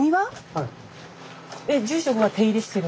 はい。